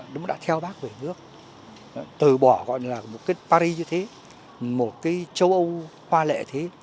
đã theo bác về nước từ bỏ một paris như thế một châu âu hoa lệ thế